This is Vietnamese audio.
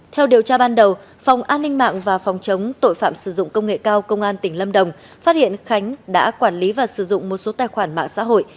theo điều tra ban đầu phòng an ninh mạng và phòng chống tội phạm sử dụng công nghệ cao công an tỉnh lâm đồng phát hiện khánh đã quản lý và sử dụng một số tài khoản mạng xã hội